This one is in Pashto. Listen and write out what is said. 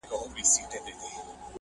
خو لستوڼي مو تل ډک وي له مارانو!